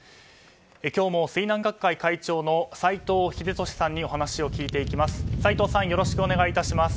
今日も水難学会会長の斎藤秀俊さんにお話を聞いていきます。